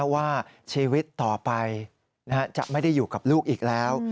ว่าชีวิตต่อไปจะไม่ได้อยู่กับลูกอีกแล้ว